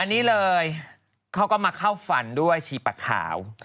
อันนี้เลยเขาก็มาเข้าฝันด้วยชีปะขาว